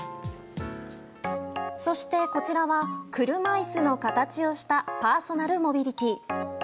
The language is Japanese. そしてこちらは車椅子の形をしたパーソナルモビリティー。